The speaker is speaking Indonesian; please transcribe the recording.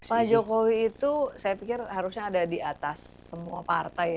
pak jokowi itu saya pikir harusnya ada di atas semua partai